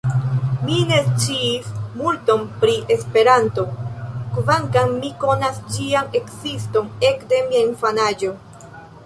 Mi ne sciis multon pri Esperanto, kvankam mi konas ĝian ekziston ekde mia infanaĝo.